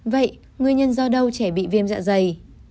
vậy nguyên nhân do đâu trẻ bị viêm dạ dày